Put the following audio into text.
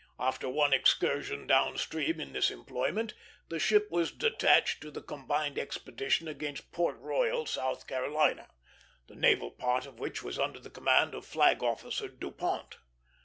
After one excursion down stream in this employment, the ship was detached to the combined expedition against Port Royal, South Carolina, the naval part of which was under the command of "Flag Officer" Dupont.